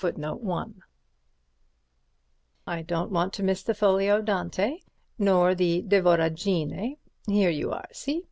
Don't lose time—I don't want to miss the Folio Dante* nor the de Voragine—here you are—see?